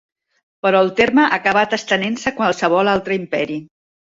Però el terme ha acabat estenent-se a qualsevol altre imperi.